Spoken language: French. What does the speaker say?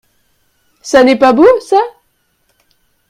Ça n’est pas beau, ça ?